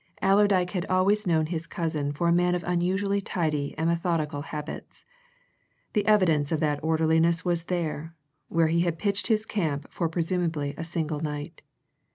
Allerdyke had always known his cousin for a man of unusually tidy and methodical habits; the evidence of that orderliness was there, where he had pitched his camp for presumably a single night.